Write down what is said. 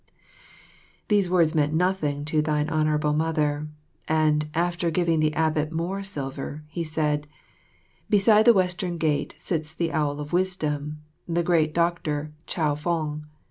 These words meant nothing to thine Honourable Mother; and after giving the abbot more silver, he said, "Beside the Western Gate sits the owl of wisdom, the great doctor Chow fong.